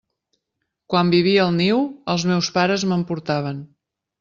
Quan vivia al niu, els meus pares me'n portaven.